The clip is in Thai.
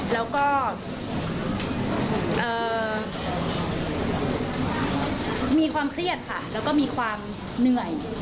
แล้วก็มีความเครียดค่ะแล้วก็มีความเหนื่อย